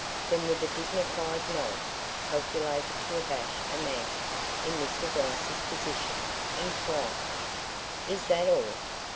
Then with a dignified nod calculated to abash a man in Mr. Gryce's position, inquired, "Is that all?"